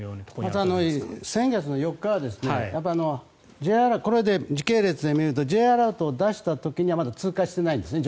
まず先月４日は時系列で見るとＪアラートを出した時にはまだ通過していないんですね